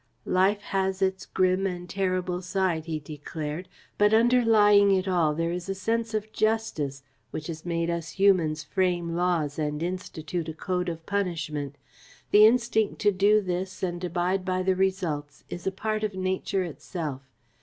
"Life has its grim and terrible side," he declared, "but underlying it all there is a sense of justice which has made us humans frame laws and institute a code of punishment. The instinct to do this and abide by the results is a part of nature itself.